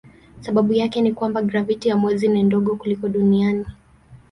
Sababu yake ni ya kwamba graviti ya mwezi ni ndogo kuliko duniani.